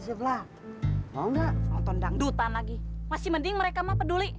cepat buka cananya bek